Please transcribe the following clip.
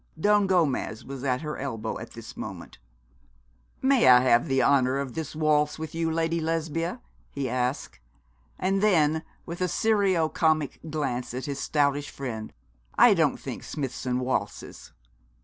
Don Gomez was at her elbow at this moment 'May I have the honour of this waltz with you, Lady Lesbia?' he asked; and then with a serio comic glance at his stoutish friend, 'I don't think Smithson waltzes?'